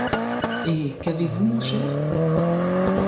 Et, qu’avez-vous, mon cher ?...